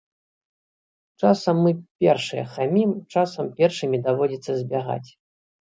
Часам мы першыя хамім, часам першымі даводзіцца збягаць.